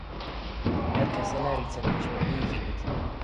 هەر کەسە ناوی چەند پێشمەرگەیەکی گوت